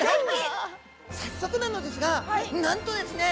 早速なのですがなんとですね